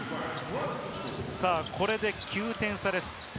これで９点差です。